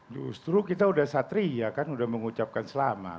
justru kita sudah satria kan udah mengucapkan selamat